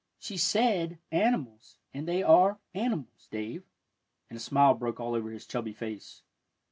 She said animals, and they are animals, Dave," and a smile broke all over his chubby face.